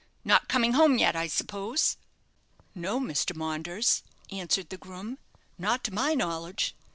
"Not coming home yet, I suppose?" "No, Mr. Maunders," answered the groom; "not to my knowledge.